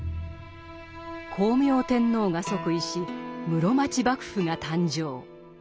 光明天皇が即位し室町幕府が誕生。